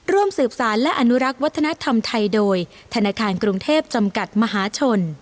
ร่วมสืบสารและอนุรักษ์วัฒนธรรมไทยโดยธนาคารกรุงเทพจำกัดมหาชน